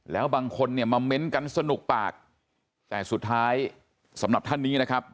แล้วบางคนเนี่ยมาเม้นต์กันสนุกปากแต่สุดท้ายสำหรับท่านนี้นะครับ